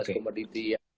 sebelas komoditi ya